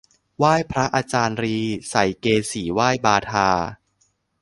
ไหว้พระอาจารีย์ ใส่เกศีไหว้บาทา